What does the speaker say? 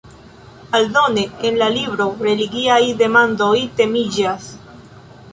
Aldone en la libro religiaj demandoj temiĝas.